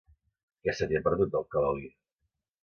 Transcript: Què se t'hi ha perdut, a Alcalalí?